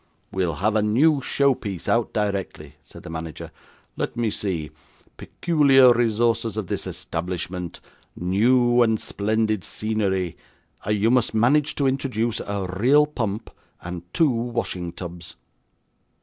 'We'll have a new show piece out directly,' said the manager. 'Let me see peculiar resources of this establishment new and splendid scenery you must manage to introduce a real pump and two washing tubs.